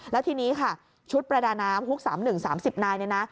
แล้วทีนี้ค่ะชุดประดาน้ำฮุก๓๑๓๐นายเนี่ยนะ